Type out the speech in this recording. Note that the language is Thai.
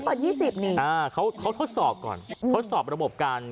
ยี่สิบนี่อ่าเขาเขาทดสอบก่อนทดสอบระบบการ